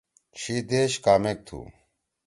چھی دیش کامک تُھو؟